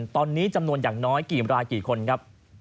ตอนนี้จำนวนอย่างน้อยกี่รายกี่คนครับ